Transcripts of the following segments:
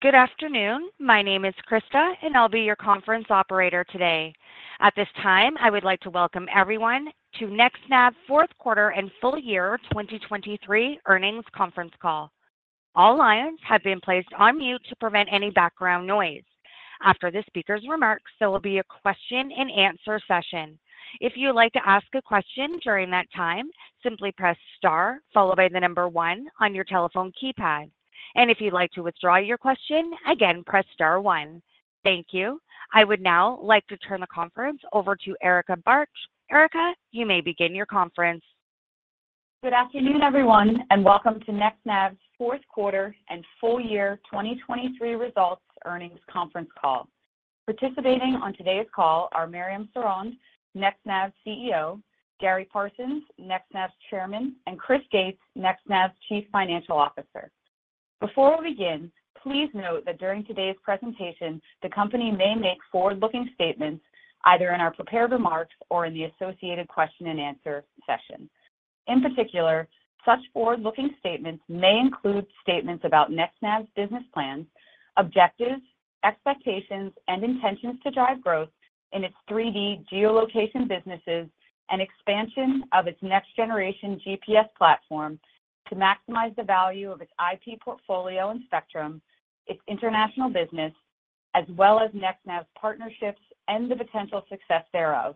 Good afternoon. My name is Krista, and I'll be your conference operator today. At this time, I would like to welcome everyone to NextNav's Q4 and full year 2023 earnings conference call. All lines have been placed on mute to prevent any background noise. After the speaker's remarks, there will be a question and answer session. If you'd like to ask a question during that time, simply press Star, followed by the number one on your telephone keypad. If you'd like to withdraw your question, again, press Star one. Thank you. I would now like to turn the conference over to Erica Bartsch. Erica, you may begin your conference. Good afternoon, everyone, and welcome to NextNav's Q4 and full year 2023 results earnings conference call. Participating on today's call are Mariam Sorond, NextNav's CEO; Gary Parsons, NextNav's chairman; and Chris Gates, NextNav's Chief Financial Officer. Before we begin, please note that during today's presentation, the company may make forward-looking statements, either in our prepared remarks or in the associated question and answer session. In particular, such forward-looking statements may include statements about NextNav's business plans, objectives, expectations, and intentions to drive growth in its 3D geolocation businesses and expansion of its next generation GPS platform to maximize the value of its IP portfolio and spectrum, its international business, as well as NextNav's partnerships and the potential success thereof,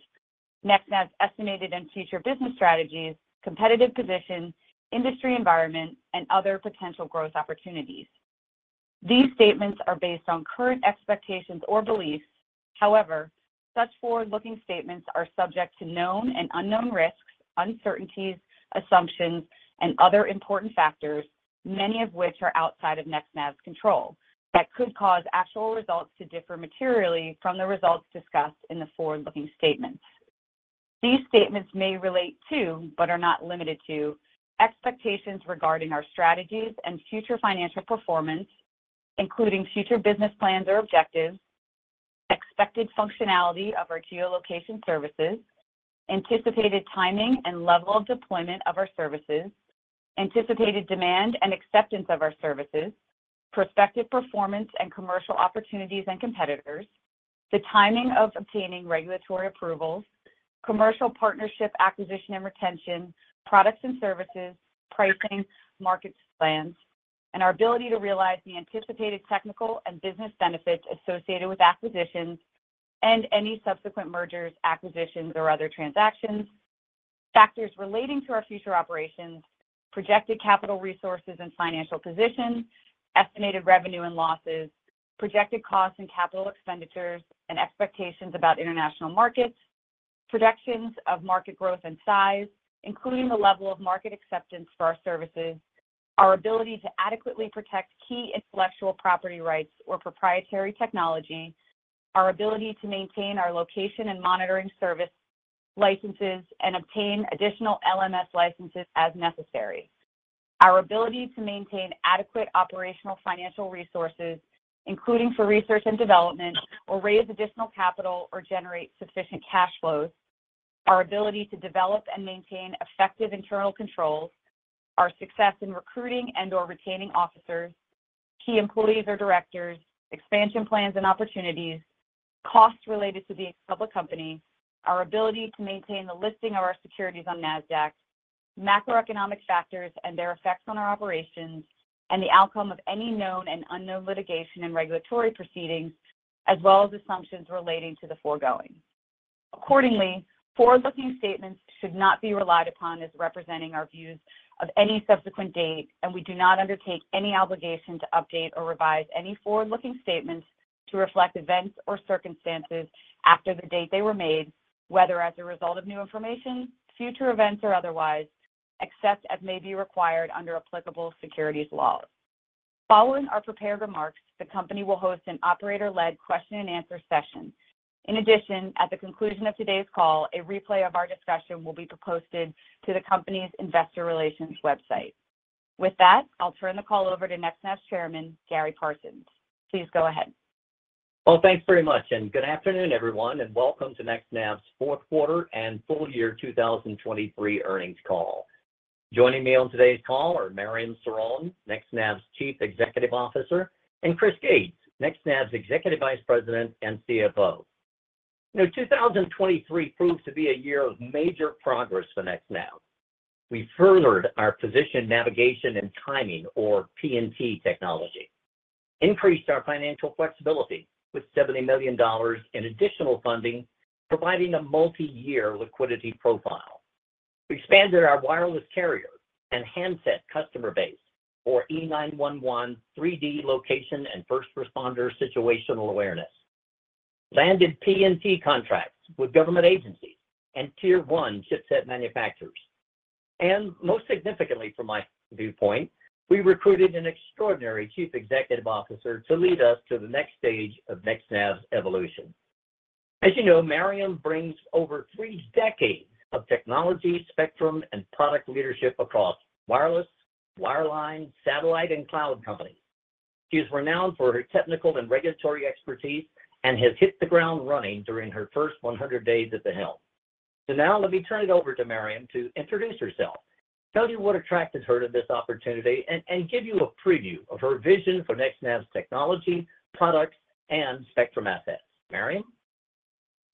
NextNav's estimated and future business strategies, competitive position, industry environment, and other potential growth opportunities. These statements are based on current expectations or beliefs. However, such forward-looking statements are subject to known and unknown risks, uncertainties, assumptions, and other important factors, many of which are outside of NextNav's control, that could cause actual results to differ materially from the results discussed in the forward-looking statements. These statements may relate to, but are not limited to, expectations regarding our strategies and future financial performance, including future business plans or objectives, expected functionality of our geolocation services, anticipated timing and level of deployment of our services, anticipated demand and acceptance of our services, prospective performance and commercial opportunities and competitors, the timing of obtaining regulatory approvals, commercial partnership, acquisition, and retention, products and services, pricing, marketing plans, and our ability to realize the anticipated technical and business benefits associated with acquisitions and any subsequent mergers, acquisitions, or other transactions, factors relating to our future operations, projected capital resources and financial position, estimated revenue and losses, projected costs and capital expenditures, and expectations about international markets, projections of market growth and size, including the level of market acceptance for our services, our ability to adequately protect key intellectual property rights or proprietary technology, our ability to maintain our location and monitoring service licenses and obtain additional LMS licenses as necessary, our ability to maintain adequate operational financial resources, including for research and development, or raise additional capital or generate sufficient cash flows, our ability to develop and maintain effective internal controls, our success in recruiting and/or retaining officers, key employees or directors, expansion plans and opportunities, costs related to being a public company, our ability to maintain the listing of our securities on Nasdaq, macroeconomic factors and their effects on our operations, and the outcome of any known and unknown litigation and regulatory proceedings, as well as assumptions relating to the foregoing. Accordingly, forward-looking statements should not be relied upon as representing our views of any subsequent date, and we do not undertake any obligation to update or revise any forward-looking statements to reflect events or circumstances after the date they were made, whether as a result of new information, future events, or otherwise, except as may be required under applicable securities laws. Following our prepared remarks, the company will host an operator-led question and answer session. In addition, at the conclusion of today's call, a replay of our discussion will be posted to the company's Investor Relations website. With that, I'll turn the call over to NextNav's chairman, Gary Parsons. Please go ahead. Well, thanks very much, and good afternoon, everyone, and welcome to NextNav's Q4 and full year 2023 earnings call. Joining me on today's call are Mariam Sorond, NextNav's Chief Executive Officer, and Chris Gates, NextNav's Executive Vice President and CFO. You know, 2023 proved to be a year of major progress for NextNav. We furthered our position, navigation, and timing, or PNT technology, increased our financial flexibility with $70 million in additional funding, providing a multi-year liquidity profile. We expanded our wireless carriers and handset customer base for E911, 3D location and first responder situational awareness, landed PNT contracts with government agencies and tier-one chipset manufacturers. Most significantly, from my viewpoint, we recruited an extraordinary Chief Executive Officer to lead us to the next stage of NextNav's evolution. As you know, Mariam brings over three decades of technology, spectrum, and product leadership across wireless, wireline, satellite, and cloud companies. She is renowned for her technical and regulatory expertise and has hit the ground running during her first 100 days at the helm.... So now let me turn it over to Mariam to introduce herself, tell you what attracted her to this opportunity, and give you a preview of her vision for NextNav's technology, products, and spectrum assets. Mariam?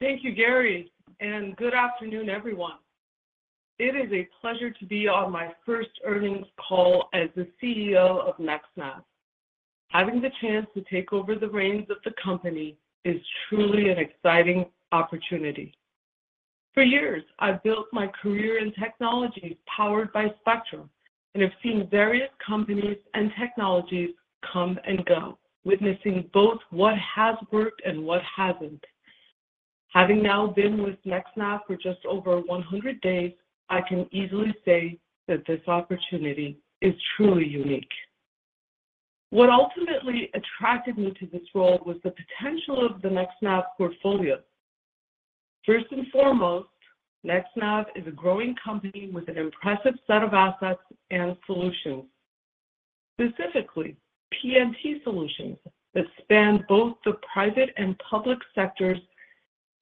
Thank you, Gary, and good afternoon, everyone. It is a pleasure to be on my first earnings call as the CEO of NextNav. Having the chance to take over the reins of the company is truly an exciting opportunity. For years, I've built my career in technology powered by spectrum, and I've seen various companies and technologies come and go, witnessing both what has worked and what hasn't. Having now been with NextNav for just over 100 days, I can easily say that this opportunity is truly unique. What ultimately attracted me to this role was the potential of the NextNav portfolio. First and foremost, NextNav is a growing company with an impressive set of assets and solutions. Specifically, PNT solutions that span both the private and public sectors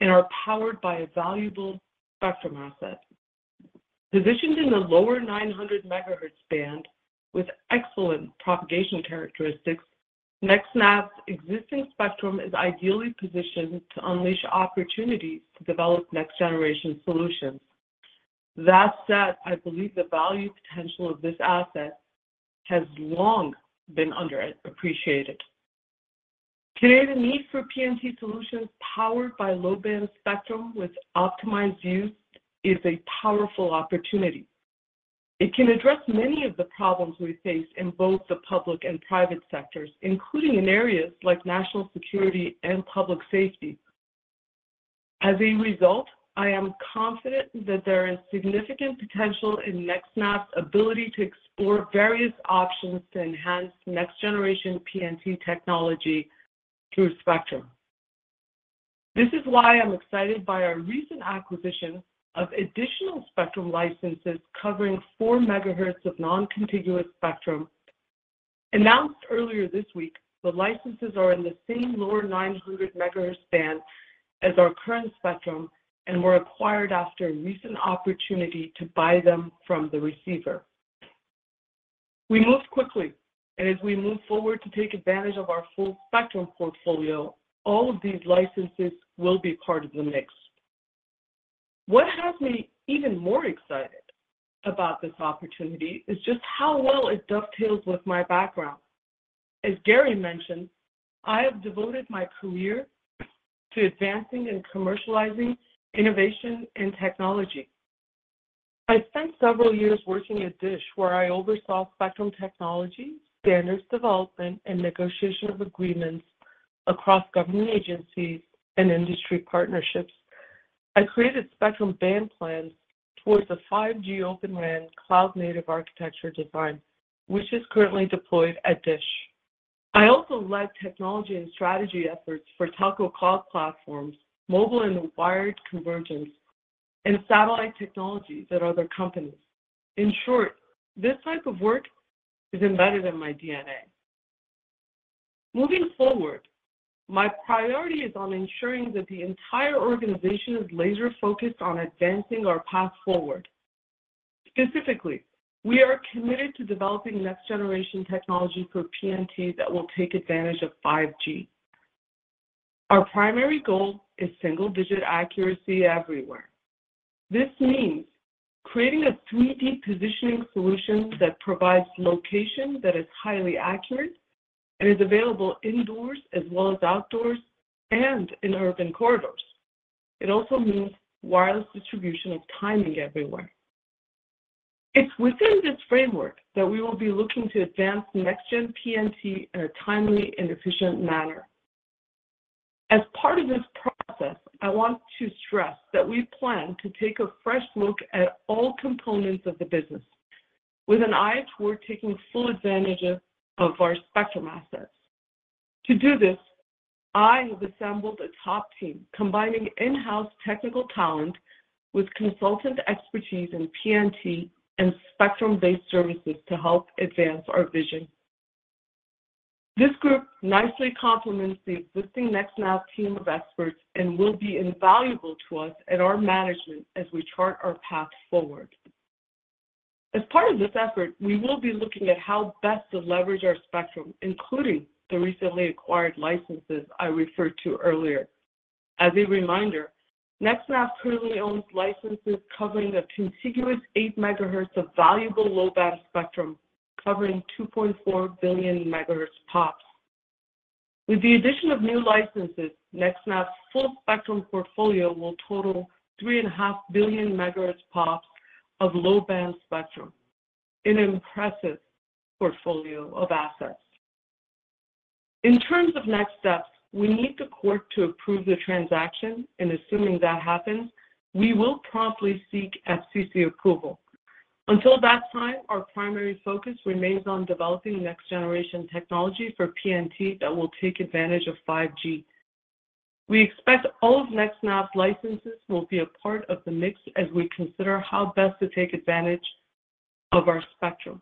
and are powered by a valuable spectrum asset. Positioned in the lower 900 megahertz band with excellent propagation characteristics, NextNav's existing spectrum is ideally positioned to unleash opportunities to develop next-generation solutions. That said, I believe the value potential of this asset has long been underappreciated. Today, the need for PNT solutions powered by low-band spectrum with optimized use is a powerful opportunity. It can address many of the problems we face in both the public and private sectors, including in areas like national security and public safety. As a result, I am confident that there is significant potential in NextNav's ability to explore various options to enhance next-generation PNT technology through spectrum. This is why I'm excited by our recent acquisition of additional spectrum licenses covering 4 megahertz of non-contiguous spectrum. Announced earlier this week, the licenses are in the same lower 900 megahertz band as our current spectrum and were acquired after a recent opportunity to buy them from the receiver. We moved quickly, and as we move forward to take advantage of our full spectrum portfolio, all of these licenses will be part of the mix. What has me even more excited about this opportunity is just how well it dovetails with my background. As Gary mentioned, I have devoted my career to advancing and commercializing innovation and technology. I spent several years working at DISH, where I oversaw spectrum technology, standards development, and negotiation of agreements across government agencies and industry partnerships. I created spectrum band plans towards a 5G Open RAN cloud-native architecture design, which is currently deployed at DISH. I also led technology and strategy efforts for telco cloud platforms, mobile and wired convergence, and satellite technologies at other companies. In short, this type of work is embedded in my DNA. Moving forward, my priority is on ensuring that the entire organization is laser-focused on advancing our path forward. Specifically, we are committed to developing next-generation technology for PNT that will take advantage of 5G. Our primary goal is single-digit accuracy everywhere. This means creating a 3D positioning solution that provides location that is highly accurate and is available indoors as well as outdoors and in urban corridors. It also means wireless distribution of timing everywhere. It's within this framework that we will be looking to advance next-gen PNT in a timely and efficient manner. As part of this process, I want to stress that we plan to take a fresh look at all components of the business with an eye toward taking full advantage of our spectrum assets. To do this, I have assembled a top team, combining in-house technical talent with consultant expertise in PNT and spectrum-based services to help advance our vision. This group nicely complements the existing NextNav team of experts and will be invaluable to us at our management as we chart our path forward. As part of this effort, we will be looking at how best to leverage our spectrum, including the recently acquired licenses I referred to earlier. As a reminder, NextNav currently owns licenses covering a contiguous 8 megahertz of valuable low-band spectrum, covering 2.4 billion MHz-pops. With the addition of new licenses, NextNav's full-spectrum portfolio will total 3.5 billion MHz-pops of low-band spectrum, an impressive portfolio of assets. In terms of next steps, we need the court to approve the transaction, and assuming that happens, we will promptly seek FCC approval. Until that time, our primary focus remains on developing next-generation technology for PNT that will take advantage of 5G. We expect all of NextNav's licenses will be a part of the mix as we consider how best to take advantage of our spectrum....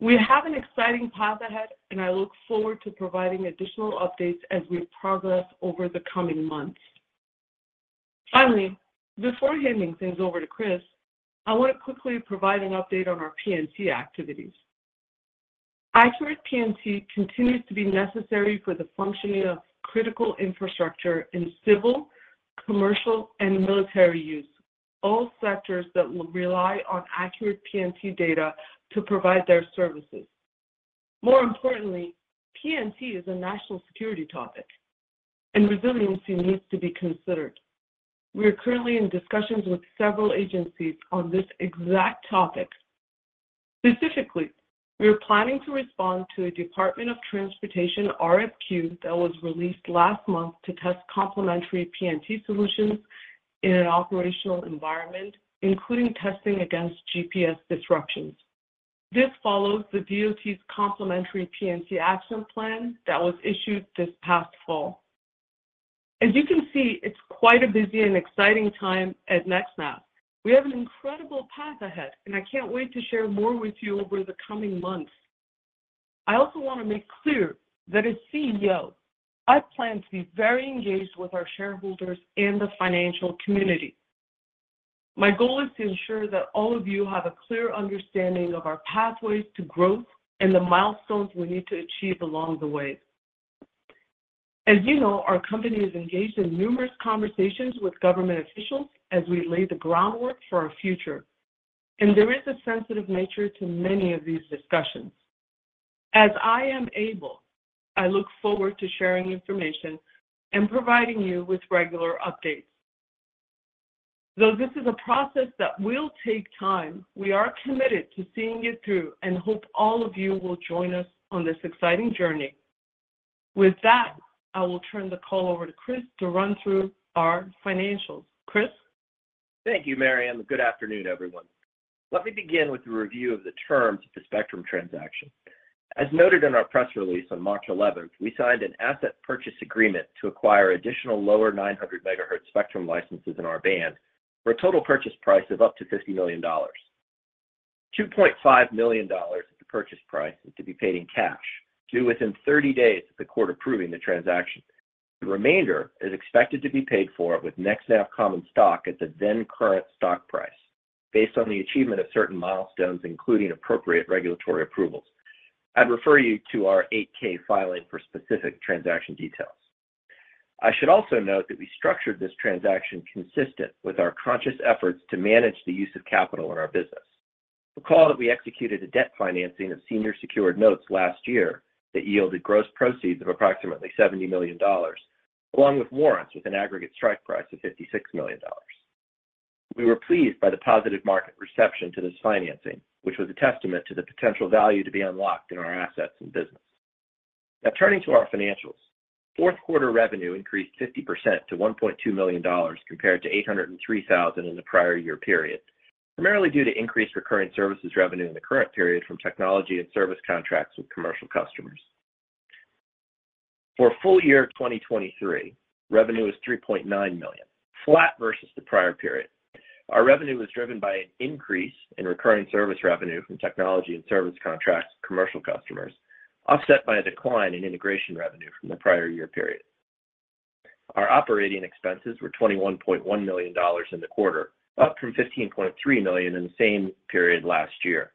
We have an exciting path ahead, and I look forward to providing additional updates as we progress over the coming months. Finally, before handing things over to Chris, I want to quickly provide an update on our PNT activities. Accurate PNT continues to be necessary for the functioning of critical infrastructure in civil, commercial, and military use, all sectors that rely on accurate PNT data to provide their services. More importantly, PNT is a national security topic, and resiliency needs to be considered. We are currently in discussions with several agencies on this exact topic. Specifically, we are planning to respond to a Department of Transportation RFQ that was released last month to test complementary PNT solutions in an operational environment, including testing against GPS disruptions. This follows the DOT's Complementary PNT Action Plan that was issued this past fall. As you can see, it's quite a busy and exciting time at NextNav. We have an incredible path ahead, and I can't wait to share more with you over the coming months. I also want to make clear that as CEO, I plan to be very engaged with our shareholders and the financial community. My goal is to ensure that all of you have a clear understanding of our pathways to growth and the milestones we need to achieve along the way. As you know, our company is engaged in numerous conversations with government officials as we lay the groundwork for our future, and there is a sensitive nature to many of these discussions. As I am able, I look forward to sharing information and providing you with regular updates. Though this is a process that will take time, we are committed to seeing it through and hope all of you will join us on this exciting journey. With that, I will turn the call over to Chris to run through our financials. Chris? Thank you, Mariam, and good afternoon, everyone. Let me begin with a review of the terms of the spectrum transaction. As noted in our press release on March eleventh, we signed an asset purchase agreement to acquire additional lower 900 megahertz spectrum licenses in our band for a total purchase price of up to $50 million. $2.5 million of the purchase price is to be paid in cash, due within 30 days of the court approving the transaction. The remainder is expected to be paid for with NextNav common stock at the then current stock price, based on the achievement of certain milestones, including appropriate regulatory approvals. I'd refer you to our 8-K filing for specific transaction details. I should also note that we structured this transaction consistent with our conscious efforts to manage the use of capital in our business. Recall that we executed a debt financing of senior secured notes last year that yielded gross proceeds of approximately $70 million, along with warrants with an aggregate strike price of $56 million. We were pleased by the positive market reception to this financing, which was a testament to the potential value to be unlocked in our assets and business. Now, turning to our financials. Q4 revenue increased 50% to $1.2 million, compared to $803,000 in the prior year period, primarily due to increased recurring services revenue in the current period from technology and service contracts with commercial customers. For full year 2023, revenue is $3.9 million, flat versus the prior period. Our revenue was driven by an increase in recurring service revenue from technology and service contracts commercial customers, offset by a decline in integration revenue from the prior year period. Our operating expenses were $21.1 million in the quarter, up from $15.3 million in the same period last year,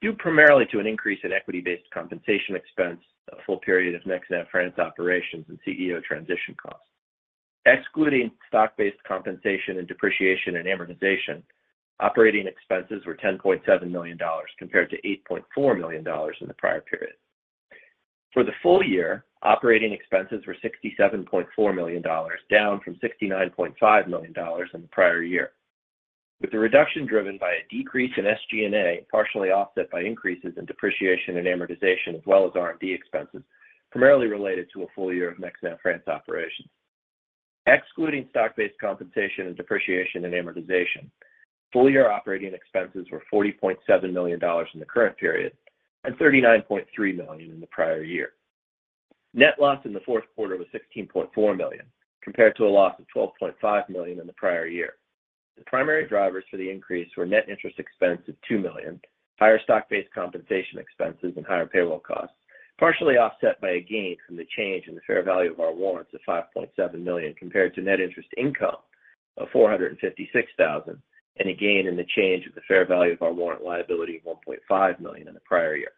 due primarily to an increase in equity-based compensation expense, a full period of NextNav France operations, and CEO transition costs. Excluding stock-based compensation and depreciation and amortization, operating expenses were $10.7 million, compared to $8.4 million in the prior period. For the full year, operating expenses were $67.4 million, down from $69.5 million in the prior year, with the reduction driven by a decrease in SG&A, partially offset by increases in depreciation and amortization, as well as R&D expenses, primarily related to a full year of NextNav France operations. Excluding stock-based compensation and depreciation and amortization, full-year operating expenses were $40.7 million in the current period and $39.3 million in the prior year. Net loss in the Q4 was $16.4 million, compared to a loss of $12.5 million in the prior year. The primary drivers for the increase were net interest expense of $2 million, higher stock-based compensation expenses, and higher payroll costs, partially offset by a gain from the change in the fair value of our warrants of $5.7 million, compared to net interest income of $456,000, and a gain in the change of the fair value of our warrant liability of $1.5 million in the prior year.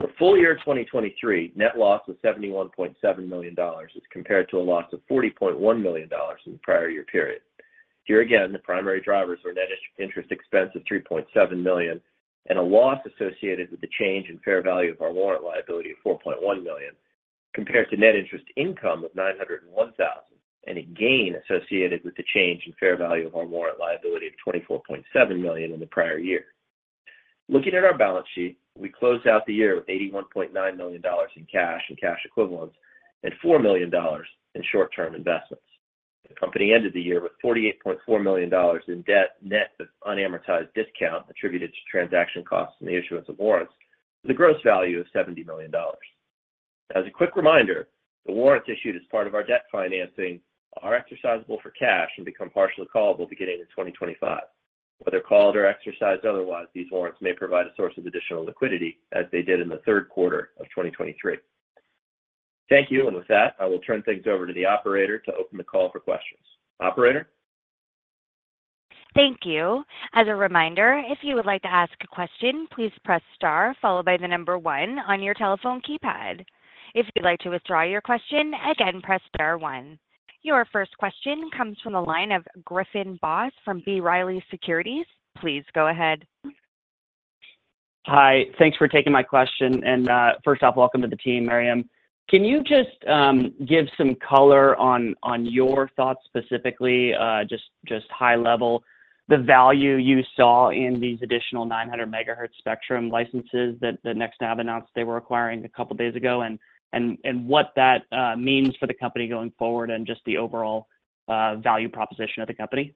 For full year 2023, net loss was $71.7 million, as compared to a loss of $40.1 million in the prior year period. Here again, the primary drivers were net interest expense of $3.7 million and a loss associated with the change in fair value of our warrant liability of $4.1 million, compared to net interest income of $901,000, and a gain associated with the change in fair value of our warrant liability of $24.7 million in the prior year. Looking at our balance sheet, we closed out the year with $81.9 million in cash and cash equivalents and $4 million in short-term investments. The company ended the year with $48.4 million in debt, net of unamortized discount attributed to transaction costs and the issuance of warrants, with a gross value of $70 million. As a quick reminder, the warrants issued as part of our debt financing are exercisable for cash and become partially callable beginning in 2025. Whether called or exercised otherwise, these warrants may provide a source of additional liquidity, as they did in the Q3 of 2023. Thank you, and with that, I will turn things over to the operator to open the call for questions. Operator? Thank you. As a reminder, if you would like to ask a question, please press star followed by the number one on your telephone keypad. If you'd like to withdraw your question, again, press star one. Your first question comes from the line of Griffin Boss from B. Riley Securities. Please go ahead. Hi, thanks for taking my question, and first off, welcome to the team, Mariam. Can you just give some color on your thoughts specifically just high level, the value you saw in these additional 900 megahertz spectrum licenses that NextNav announced they were acquiring a couple days ago, and what that means for the company going forward and just the overall value proposition of the company?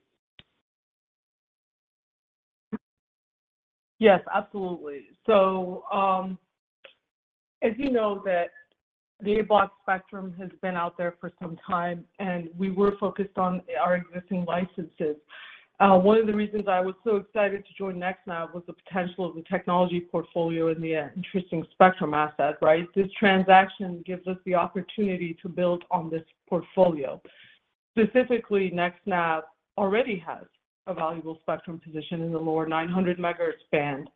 Yes, absolutely. So, as you know, that the A Block spectrum has been out there for some time, and we were focused on our existing licenses. One of the reasons I was so excited to join NextNav was the potential of the technology portfolio and the interesting spectrum asset, right? This transaction gives us the opportunity to build on this portfolio. Specifically, NextNav already has a valuable spectrum position in the lower 900 megahertz band.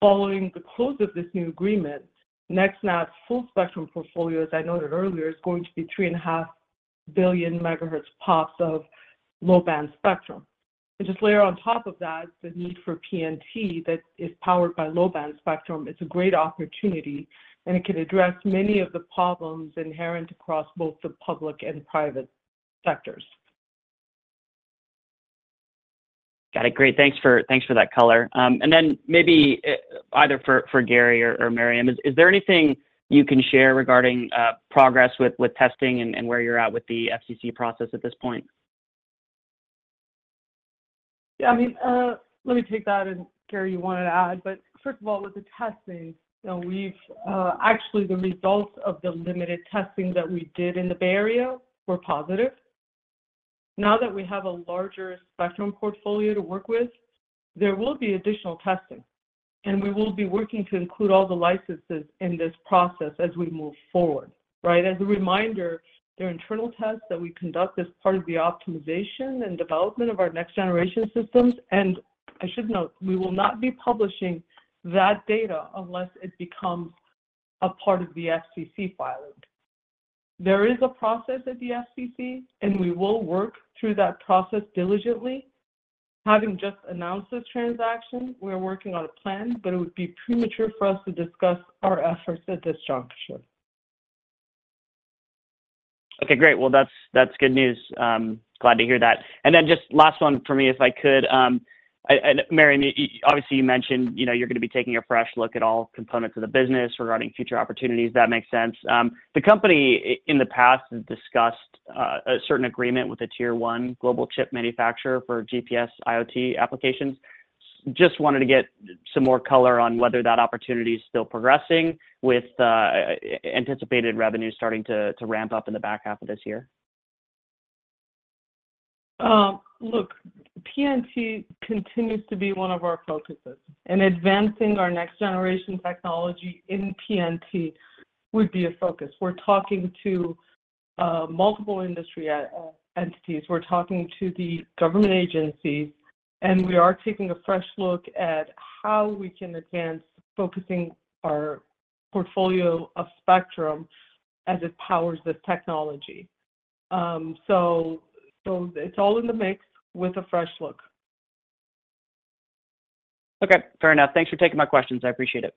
Following the close of this new agreement, NextNav's full spectrum portfolio, as I noted earlier, is going to be 3.5 billion MHz-pops of low-band spectrum. And just layer on top of that, the need for PNT that is powered by low-band spectrum, it's a great opportunity, and it can address many of the problems inherent across both the public and private sectors. Got it. Great. Thanks for that color. Then maybe either for Gary or Mariam, is there anything you can share regarding progress with testing and where you're at with the FCC process at this point? Yeah, I mean, let me take that, and Gary, you want to add. But first of all, with the testing, you know, we've actually the results of the limited testing that we did in the Bay Area were positive. Now that we have a larger spectrum portfolio to work with, there will be additional testing, and we will be working to include all the licenses in this process as we move forward, right? As a reminder, their internal tests that we conduct as part of the optimization and development of our next generation systems, and I should note, we will not be publishing that data unless it becomes a part of the FCC filing. There is a process at the FCC, and we will work through that process diligently. Having just announced this transaction, we're working on a plan, but it would be premature for us to discuss our efforts at this juncture. Okay, great. Well, that's, that's good news. Glad to hear that. And then just last one for me, if I could. And, and Mariam, obviously, you mentioned, you know, you're going to be taking a fresh look at all components of the business regarding future opportunities. That makes sense. The company in the past has discussed a certain agreement with a Tier One global chip manufacturer for GPS IoT applications. Just wanted to get some more color on whether that opportunity is still progressing with anticipated revenue starting to ramp up in the back half of this year. Look, PNT continues to be one of our focuses, and advancing our next generation technology in PNT would be a focus. We're talking to multiple industry entities. We're talking to the government agencies, and we are taking a fresh look at how we can advance focusing our portfolio of spectrum as it powers the technology. So, it's all in the mix with a fresh look. Okay, fair enough. Thanks for taking my questions. I appreciate it.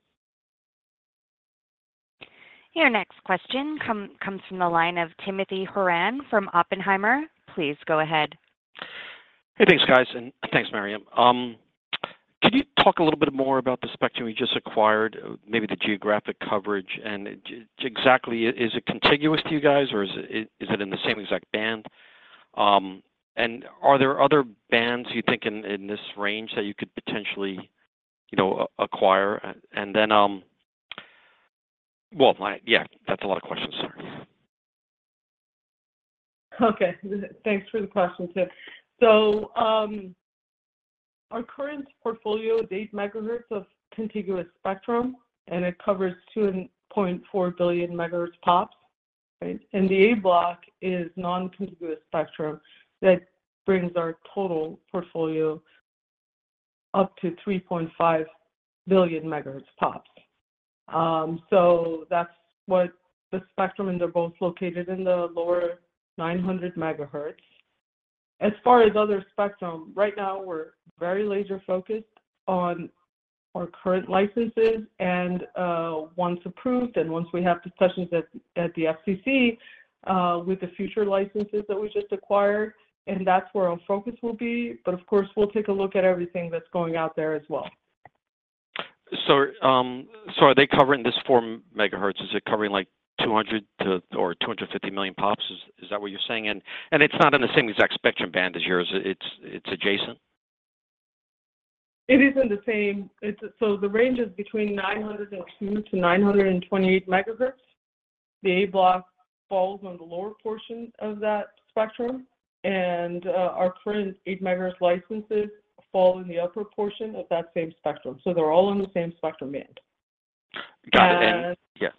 Your next question comes from the line of Timothy Horan from Oppenheimer. Please go ahead. Hey, thanks, guys, and thanks, Mariam. Could you talk a little bit more about the spectrum you just acquired, maybe the geographic coverage, and exactly, is it contiguous to you guys, or is it in the same exact band? And are there other bands you think in this range that you could potentially, you know, acquire? And then, well, my... Yeah, that's a lot of questions, sorry. Okay. Thanks for the question, Tim. So, our current portfolio is 8 megahertz of contiguous spectrum, and it covers 2.4 billion MHz-pops, right? And the A Block is non-contiguous spectrum that brings our total portfolio up to 3.5 billion MHz-pops. So that's what the spectrum, and they're both located in the lower 900 megahertz. As far as other spectrum, right now, we're very laser-focused on our current licenses, and once approved, and once we have discussions at the FCC with the future licenses that we just acquired, and that's where our focus will be. But of course, we'll take a look at everything that's going out there as well. Are they covering this 4 MHz? Is it covering, like, 200- or 250 million pops? Is that what you're saying? And it's not in the same exact spectrum band as yours, it's adjacent?... It isn't the same. It's so the range is between 902-928 megahertz. The A Block falls on the lower portion of that spectrum, and our current 8 megahertz licenses fall in the upper portion of that same spectrum. So they're all in the same spectrum band. Got it. And- Yeah.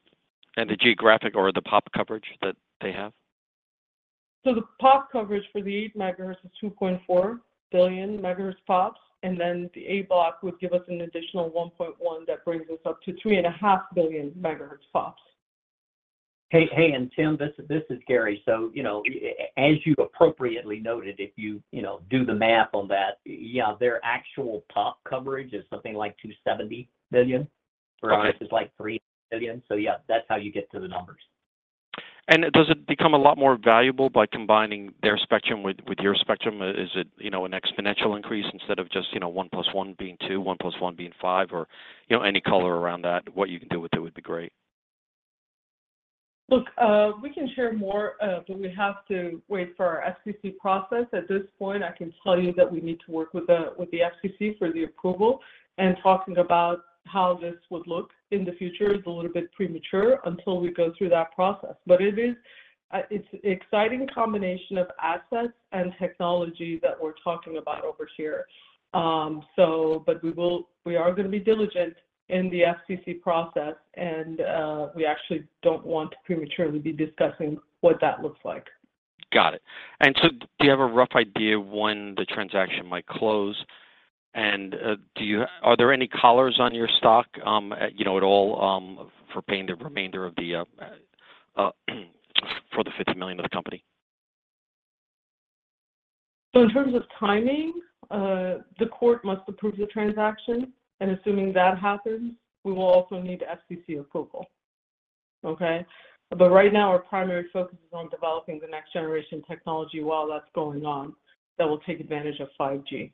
And the geographic or the pop coverage that they have? So the pop coverage for the 8 megahertz is 2.4 billion MHz-pops, and then the A Block would give us an additional 1.1. That brings us up to 3.5 billion MHz-pops. Hey, hey, and Tim, this is Gary. So, you know, as you appropriately noted, if you, you know, do the math on that, yeah, their actual pop coverage is something like 270 billion. Right. Whereas this is like 3 billion. So yeah, that's how you get to the numbers. Does it become a lot more valuable by combining their spectrum with your spectrum? Is it, you know, an exponential increase instead of just, you know, 1 + 1 being 2, 1 + 1 being 5, or, you know, any color around that? What you can do with it would be great. Look, we can share more, but we have to wait for our FCC process. At this point, I can tell you that we need to work with the, with the FCC for the approval, and talking about how this would look in the future is a little bit premature until we go through that process. But it is, it's exciting combination of assets and technology that we're talking about over here. So but we will, we are going to be diligent in the FCC process, and we actually don't want to prematurely be discussing what that looks like. Got it. And so do you have a rough idea of when the transaction might close? And, are there any collars on your stock, you know, at all, for paying the remainder of the, for the $50 million of the company? So in terms of timing, the court must approve the transaction, and assuming that happens, we will also need FCC approval. Okay? But right now, our primary focus is on developing the next generation technology while that's going on, that will take advantage of 5G.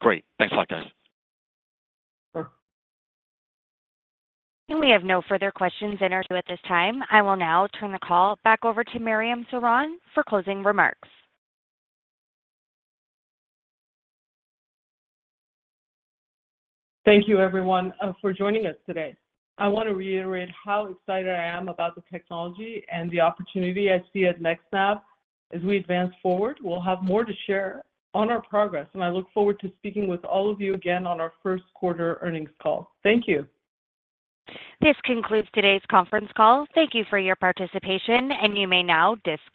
Great. Thanks a lot, guys. Sure. We have no further questions in our queue at this time. I will now turn the call back over to Mariam Sorond for closing remarks. Thank you, everyone, for joining us today. I want to reiterate how excited I am about the technology and the opportunity I see at NextNav. As we advance forward, we'll have more to share on our progress, and I look forward to speaking with all of you again on our Q1 earnings call. Thank you. This concludes today's conference call. Thank you for your participation, and you may now disconnect.